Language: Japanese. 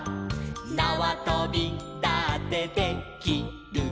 「なわとびだってで・き・る」